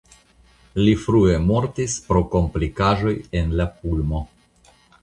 Li frue mortis pro komplikaĵoj en la pulmo.